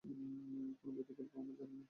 কোনো ভৌতিক গল্প আমার জানা নেই।